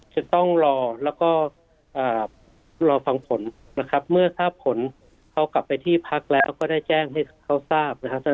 จะต้องรอแล้วก็รอฟังผลนะครับเมื่อทราบผลเขากลับไปที่พักแล้วก็ได้แจ้งให้เขาทราบนะครับ